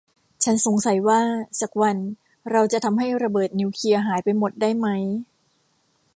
ฉันสงสัยว่าสักวันเราจะทำให้ระเบิดนิวเคลียร์หายไปหมดได้มั้ย